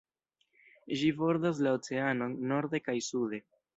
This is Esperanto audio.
Ĝi bordas la oceanon norde kaj sude.